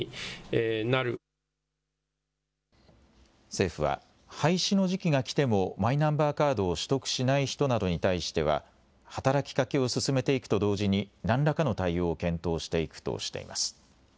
政府は、廃止の時期が来てもマイナンバーカードを取得しない人などに対しては、働きかけを進めていくと同時に、なんらかの対応を検討していくとしています。